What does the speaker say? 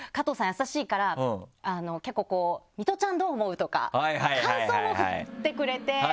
優しいから結構こう「ミトちゃんどう思う？」とか感想も振ってくれて。